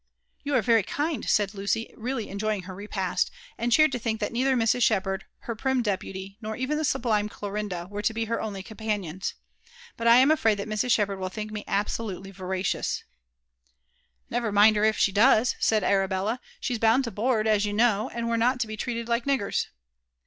You are very kind," said Lucy, really enjoying hor repast, and cheered to Ihiwk that neilher Mrs. Shepherd, her prim depuly, nor even Ihe sublime Clarinda were lo be her only com|)anions; b(jtl am afraid ihal Mrs. Slieplierd will Ihink me absolutely voracious." Never mind her if she docs," said Arabella: *' she's bound to board, as you know, and we're not to be treated like niggers."